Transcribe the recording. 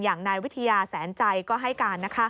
อย่างนายวิทยาแสนใจก็ให้การ